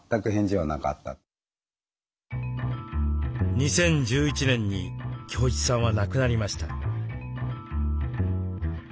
２０１１年に京一さんは亡くなりました。